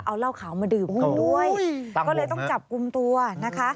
เอาเหล้าขาวมาดื่มคุณด้วยก็เลยต้องจับกลุ่มตัวนะคะ